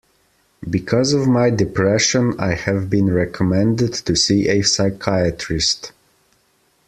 Because of my depression, I have been recommended to see a psychiatrist.